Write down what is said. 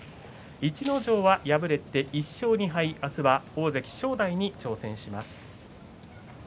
逸ノ城は敗れて１勝２敗明日は大関正代に挑戦します。